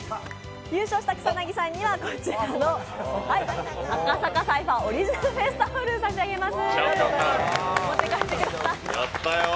優勝した草薙さんにはこちらの赤坂サイファーのオリジナルフェイスタオルを差し上げます。